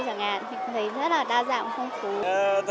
mình thấy rất là đa dạng phong phú